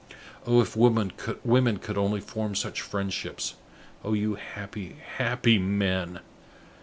Oh, if women could only form such friendships! Oh you happy, happy men!"